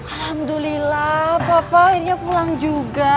alhamdulillah papa akhirnya pulang juga